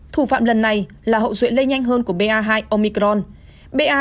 thủ phạm lần này là hậu ruệ lây nhanh hơn của ba hai omicron ba hai nghìn một trăm hai mươi một